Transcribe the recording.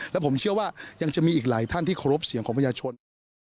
และผมเชื่อว่ายังจะมีอีกหลายท่านที่เคารพเสียงของประชาชน